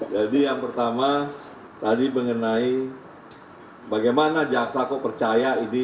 jadi yang pertama tadi mengenai bagaimana jaksaku percaya ini